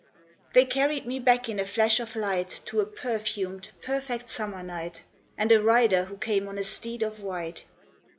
They carried me back in a flash of light To a perfumed, perfect summer night, And a rider who came on a steed of white.